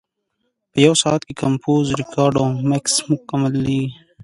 په یو ساعت کې کمپوز، ریکارډ او مکس مکملېږي.